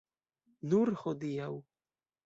Nur hodiaŭ.